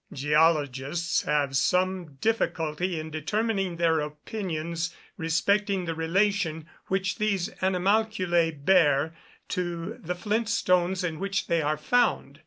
Geologists have some difficulty in determining their opinions respecting the relation which these animalculæ bear to the flint stones in which they are found.